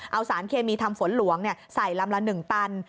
เอาสารเคมีทำฝนหลวงใส่ลำละ๑ตัน